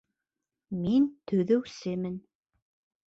Мин төҙөүсемен